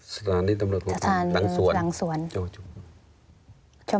สถานที่ตำรวจคุณ